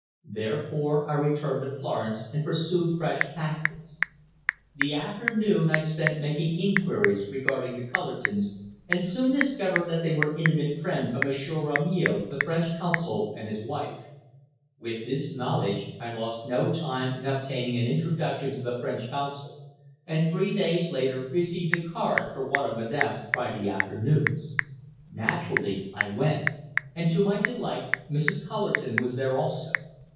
Therefore I returned to Florence and pursued fresh tactics. The afternoon I spent making inquiries regarding the Cullertons, and soon discovered that they were intimate friends of Monsieur Rameil, the French Consul, and his wife. With this knowledge I lost no time in obtaining an introduction to the French Consul, and three days later received a card for one of Madame's Friday afternoons. Naturally I went, and to my delight Mrs. Cullerton was there also.